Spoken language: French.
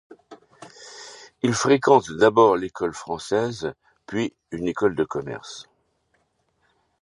Il fréquente d'abord l'école française, puis une école de commerce.